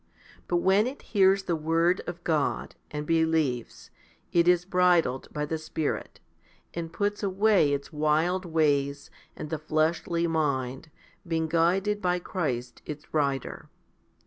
But when it hears the word of God, and believes, it is bridled by the Spirit, and puts away its wild ways and the fleshly mind, being guided by Christ its rider.